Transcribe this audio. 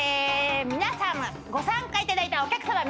皆さまご参加いただいたお客さま